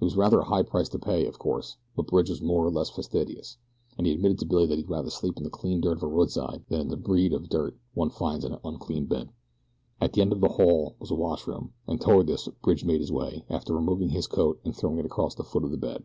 It was rather a high price to pay, of course, but Bridge was more or less fastidious, and he admitted to Billy that he'd rather sleep in the clean dirt of the roadside than in the breed of dirt one finds in an unclean bed. At the end of the hall was a washroom, and toward this Bridge made his way, after removing his coat and throwing it across the foot of the bed.